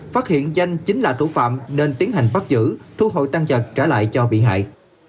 phát hiện danh chính là thủ phạm nên tiến hành bắt giữ thu hồi tăng vật trả lại cho bị hại